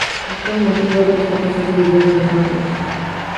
Actualmente, Dover está casado y viviendo en Los Ángeles.